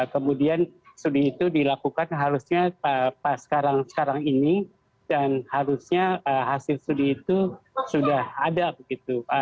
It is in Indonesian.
kemudian studi itu dilakukan harusnya pas sekarang ini dan harusnya hasil studi itu sudah ada begitu